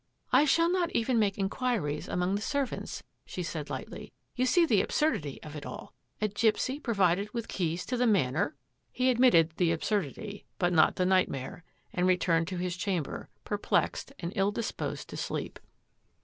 " I shall not even make inquiries among the serv ants," she said lightly. " You see the absurdity of it all — a gipsy provided with keys to the Manor !" He admitted the absurdity, but not the night mare, and returned to his chamber, perplexed and ill disposed to sleep.